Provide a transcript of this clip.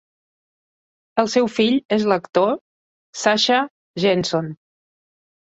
El seu fill és l'actor Sasha Jenson.